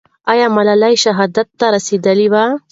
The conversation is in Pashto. آیا ملالۍ شهادت ته ورسېده؟